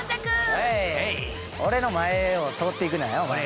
俺の前を通っていくなよお前ら。